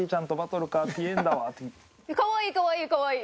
かわいいかわいいかわいい。